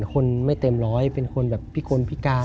คนไม่เต็มร้อยเป็นคนแบบพิคนพิการ